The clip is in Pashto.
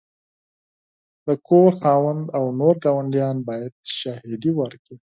د کور خاوند او نور ګاونډیان باید شاهدي ورکړي.